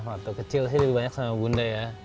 waktu kecil sih lebih banyak sama bunda ya